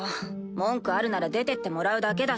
文句あるなら出てってもらうだけだし。